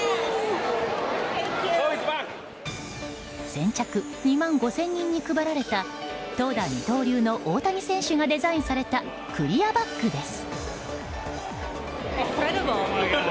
先着２万５０００人に配られた投打二刀流の大谷選手がデザインされたクリアバッグです。